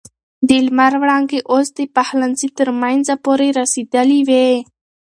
د لمر وړانګې اوس د پخلنځي تر منځه پورې رسېدلې وې.